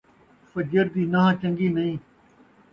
فجر دی نان٘ہہ چن٘ڳی نئیں